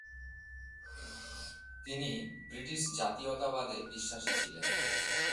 তিনি ব্রিটিশ জাতীয়তাবাদে বিশ্বাসী ছিলেন।